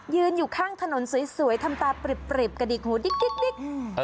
ยืนอยู่ข้างถนนสวยทำตาปริบกระดิกหูดิ๊ก